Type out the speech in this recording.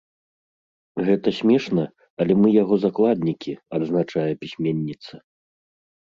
Гэта смешна, але мы яго закладнікі, адзначае пісьменніца.